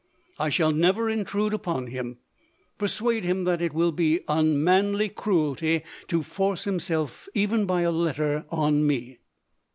I shall never intrude upon him. Persuade him that it will be un manly cruelty to force himself, even by a letter, on me."